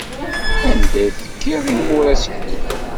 Anda ay tekkiḍ imuras-nnek?